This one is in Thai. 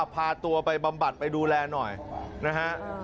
พาตัวไปบำบัดไปดูแลหน่อยนะฮะ